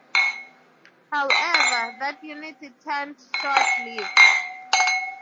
However, that unity turned short-lived.